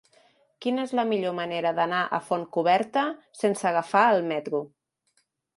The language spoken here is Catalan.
Quina és la millor manera d'anar a Fontcoberta sense agafar el metro?